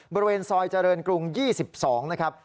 บริเวณซอยเจริญกรุง๒๒นะครับ